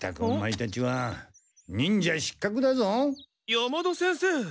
山田先生。